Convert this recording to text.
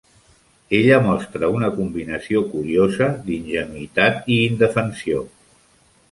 Ella mostra una combinació curiosa d'ingenuïtat i indefensió.